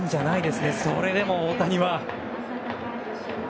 それでも大谷は。